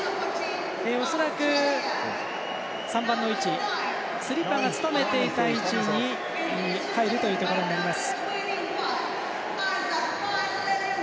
恐らく、３番の位置スリッパーが務めていた位置に入ることになります。